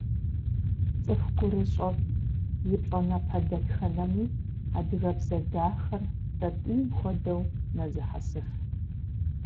ЦӀыху гурыщӀэм и плӀанэпэ дэтхэнэми адыгэбзэ дахэр тӀатӀийм хуэдэу нэзыхьэсыф.